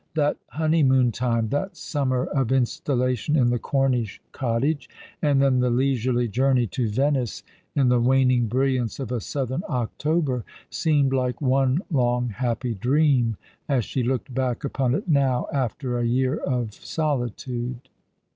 That honey moon time, that summer of installation in the Cornish cottage, and then the leisurely journey to Venice in the waning brilliance of a southern October, seemed like ono long happy dream, as she looked back upon it now, after a year of solitude.